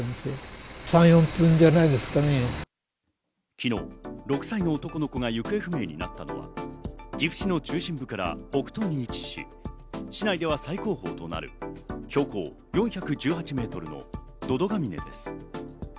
昨日、６歳の男の子が行方不明になったのは岐阜市の中心部から北東に位置し、市内では最高峰となる標高４１８ｍの百々ヶ峰です。